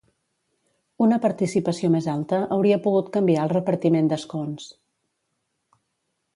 Una participació més alta hauria pogut canviar el repartiment d'escons.